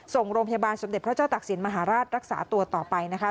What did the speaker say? ส่งโรงพยาบาลสมเด็จพระเจ้าตักศิลป์มหาราชรักษาตัวต่อไปนะคะ